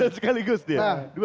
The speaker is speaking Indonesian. dan sekaligus dia